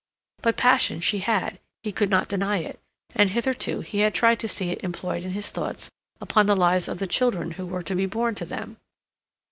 But passion she had, he could not deny it, and hitherto he had tried to see it employed in his thoughts upon the lives of the children who were to be born to them.